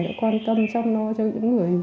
đã quan tâm trong no cho những người